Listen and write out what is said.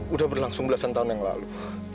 udah berlangsung belasan tahun yang lalu